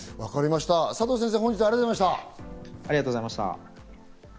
佐藤先生、本日はありがとうございました。